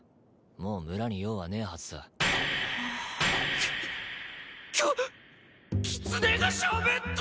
もう村に用はねえはずさききキツネがしゃべった！